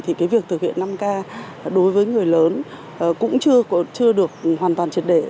thì việc thực hiện năm k đối với người lớn cũng chưa được hoàn toàn triệt đệ